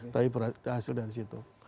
tapi berhasil dari situ